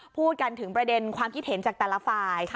พูดกันถึงประเด็นความคิดเห็นจากแต่ละฝ่าย